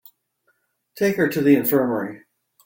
Take her to the infirmary.